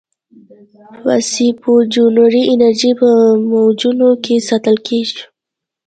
پسیوجنري انرژي په موجونو کې ساتل کېږي.